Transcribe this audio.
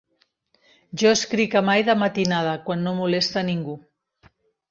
Jo escric a mà i de matinada, quan no molesta ningú.